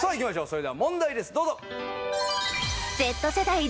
それでは問題ですどうぞ！